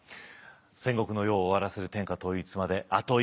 戦国の世を終わらせる天下統一まであと一歩。